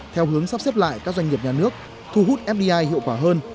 theo hướng sắp xếp lại các doanh nghiệp nhà nước thu hút fdi hiệu quả hơn